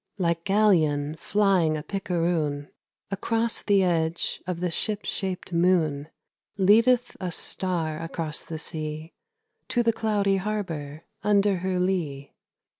Like galleon flying a picaroon, Along the edge the ship shap'd moon Leadeth a star across the sea To the cloudy harbor under her lee.